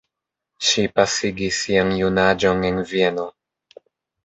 Ŝi pasigis sian junaĝon en Vieno.